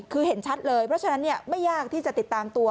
คือเห็นชัดเลยเพราะฉะนั้นไม่ยากที่จะติดตามตัว